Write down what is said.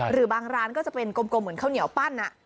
หรือบางร้านก็จะเป็นกลมเหมือนข้าวเหนียวปั้น